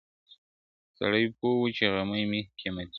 • سړی پوه وو چي غمی مي قېمتي دی..